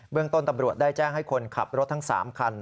เรื่องต้นตำรวจได้แจ้งให้คนขับรถทั้ง๓คัน